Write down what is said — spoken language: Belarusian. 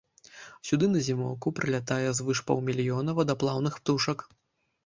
Сюды на зімоўку прылятае звыш паўмільёна вадаплаўных птушак.